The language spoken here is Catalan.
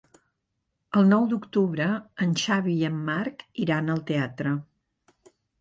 El nou d'octubre en Xavi i en Marc iran al teatre.